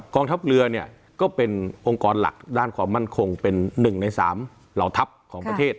กองทัพเรือเนี่ยก็เป็นองค์กรหลักด้านความมั่นคงเป็น๑ใน๓เหล่าทัพของประเทศ